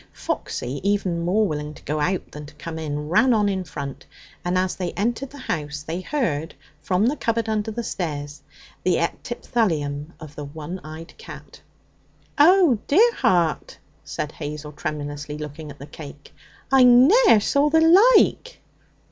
Foxy, even more willing to go out than to come in, ran on in front, and as they entered the house they heard from the cupboard under the stairs the epithalamium of the one eyed cat. 'Oh, dear heart!' said Hazel tremulously, looking at the cake, 'I ne'er saw the like!'